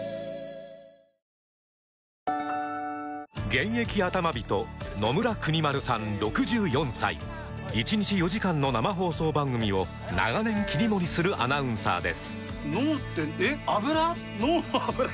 現役アタマ人野村邦丸さん６４歳１日４時間の生放送番組を長年切り盛りするアナウンサーです